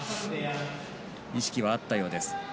意識はあったようです。